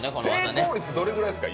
成功率今、どのくらいですか？